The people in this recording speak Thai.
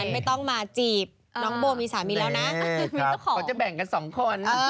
ไม่ต้องมาจีบอ่าน้องโบมีสามีแล้วนะมีสักของจะแบ่งกันสองคนเออ